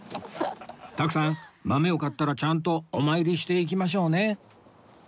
徳さん豆を買ったらちゃんとお参りしていきましょうね